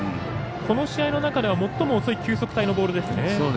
この試合の中では最も遅い球速帯のボールですね。